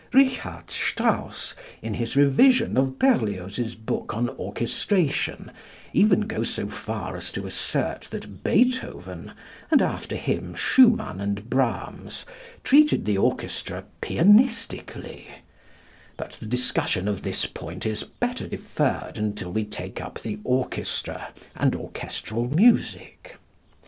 Richard Strauss, in his revision of Berlioz's book on orchestration, even goes so far as to assert that Beethoven, and after him Schumann and Brahms, treated the orchestra pianistically; but the discussion of this point is better deferred until we take up the orchestra and orchestral music.